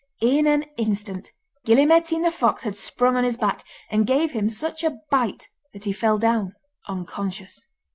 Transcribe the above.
In an instant Gille Mairtean the fox had sprung on his back, and gave him such a bite that he fell down unconscious.